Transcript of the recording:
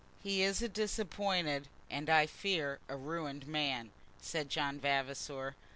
"He is a disappointed and I fear a ruined man," said John Vavasor.